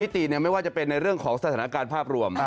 ติไม่ว่าจะเป็นในเรื่องของสถานการณ์ภาพรวม